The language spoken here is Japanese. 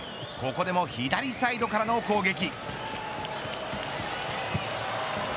ここでも左サイドからの攻撃。